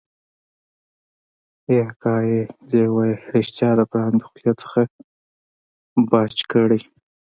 ای اکا ای لېوه يې رښتيا د پړانګ د خولې نه بچ کړی.